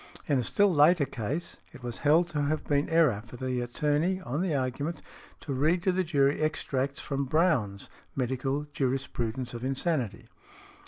In a still later case , it was held to have been error for the attorney, on the argument, to read to the jury extracts from Browne's "Medical Jurisprudence of Insanity."